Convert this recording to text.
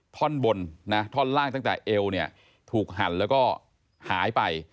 ท่อนบนนะท่อนล่างตั้งแต่เอวเนี่ยถูกหั่นแล้วก็หายไป